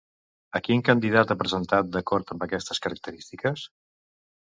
A quin candidat ha presentat, d'acord amb aquestes característiques?